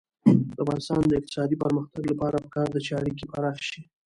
د افغانستان د اقتصادي پرمختګ لپاره پکار ده چې اړیکې پراخې شي.